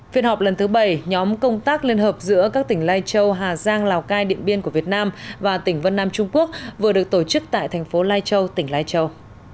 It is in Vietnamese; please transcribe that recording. phiên họp lần thứ bảy nhóm công tác liên hợp giữa các tỉnh lai châu hà giang lào cai điện biên của việt nam và tỉnh vân nam trung quốc vừa được tổ chức tại thành phố lai châu tỉnh lai châu